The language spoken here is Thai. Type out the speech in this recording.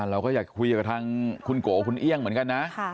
เราก็อยากคุยกับทางคุณโกคุณเอี่ยงเหมือนกันนะ